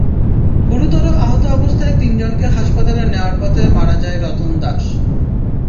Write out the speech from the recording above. গুরুতর আহত অবস্থায় তিনজনকে হাসপাতালে নেওয়ার পথে মারা যায় রতন দাস।